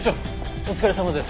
お疲れさまです。